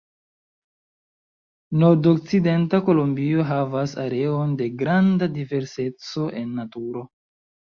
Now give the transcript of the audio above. Nordokcidenta Kolombio havas areon de granda diverseco en naturo.